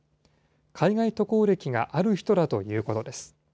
海外渡航歴がある人だということです。